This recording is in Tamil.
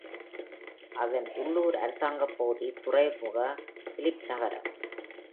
அதன் உள்ளூர் அரசாங்க பகுதி துறைமுக பிலிப் நகரம்.